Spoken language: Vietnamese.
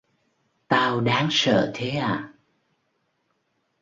Tao đáng sợ thế à